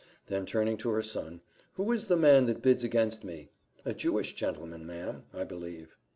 Then turning to her son, "Who is the man that bids against me?" "A Jewish gentleman, ma'am, I believe."